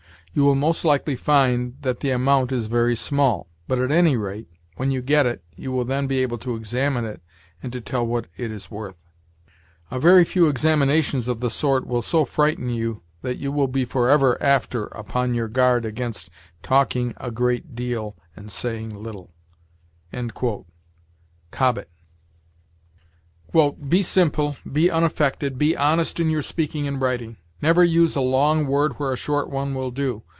You will most likely find that the amount is very small; but at any rate, when you get it, you will then be able to examine it and to tell what it is worth. A very few examinations of the sort will so frighten you that you will be for ever after upon your guard against talking a great deal and saying little." Cobbett. "Be simple, be unaffected, be honest in your speaking and writing. Never use a long word where a short one will do.